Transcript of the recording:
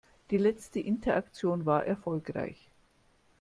Die letzte Interaktion war erfolgreich.